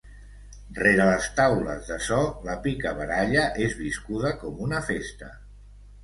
Rere les taules de so la picabaralla és viscuda com una festa.